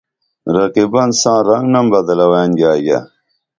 رقیبن ساں رنگنم بدلہ وئین گیاگیے